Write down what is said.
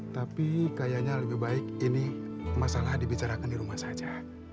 tapi kayaknya lebih baik ini masalah dibicarakan di rumah saja